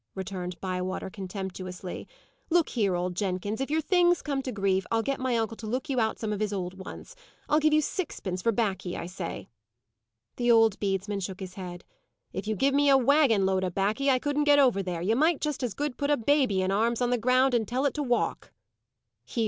returned Bywater, contemptuously. "Look here, old Jenkins! if your things come to grief, I'll get my uncle to look you out some of his old ones. I'll give you sixpence for baccy, I say!" The old bedesman shook his head. "If you give me a waggin load of baccy, I couldn't get over there. You might just as good put a babby in arms on the ground, and tell it to walk!" "Here!